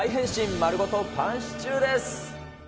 丸ごとパンシチューです。